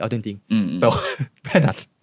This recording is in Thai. เอาจริงแบบไม่ถนัด